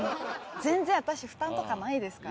全然私負担とかないですから。